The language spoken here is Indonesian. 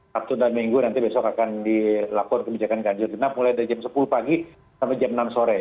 sabtu dan minggu nanti besok akan dilakukan kebijakan ganjil genap mulai dari jam sepuluh pagi sampai jam enam sore